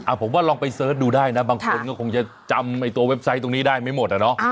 ผมว่าลองไปเสิร์ชดูได้นะบางคนก็คงจะจำตัวเว็บไซต์ตรงนี้ได้ไม่หมดอ่ะเนาะ